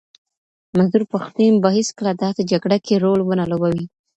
منظور پښتین به هیڅکله داسي جګړه کي رول ونه لوبوي.